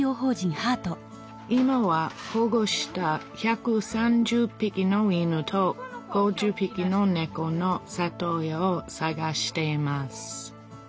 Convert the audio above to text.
今は保護した１３０ぴきの犬と５０ぴきのねこの里親を探しています。